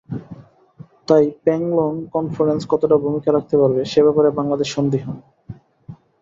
তাই Panglong conference কতটা ভূমিকা রাখতে পারবে, সে ব্যাপারে বাংলাদেশ সন্দিহান।